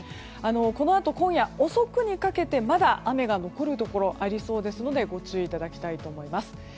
このあと、今夜遅くにかけてまだ雨が残るところありますのでご注意いただきたいと思います。